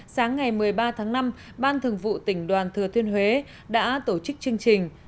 sáng ngày một mươi ba tháng năm ban thường vụ tỉnh đoàn thừa thiên huế đã tổ chức chương trình